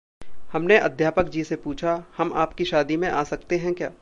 हमने अध्यापकजी से पूछा: "हम आपकी शादी में आ सकते हैं क्या?"